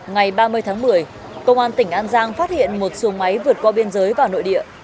ngày ba mươi tháng một mươi công an tỉnh an giang phát hiện một xuồng máy vượt qua biên giới vào nội địa